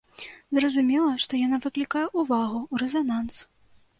Зразумела, што яна выклікае ўвагу, рэзананс.